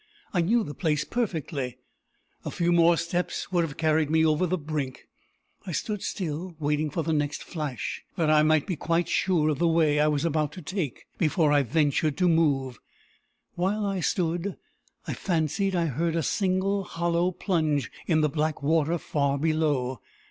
I knew the place perfectly. A few more steps would have carried me over the brink. I stood still, waiting for the next flash, that I might be quite sure of the way I was about to take before I ventured to move. While I stood, I fancied I heard a single hollow plunge in the black water far below.